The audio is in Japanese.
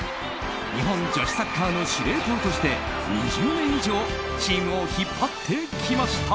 日本女子サッカーの司令塔として２０年以上チームを引っ張ってきました。